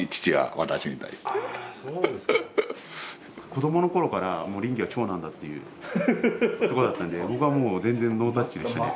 子どもの頃から林業は長男だっていうとこだったんで僕はもう全然ノータッチでしたね。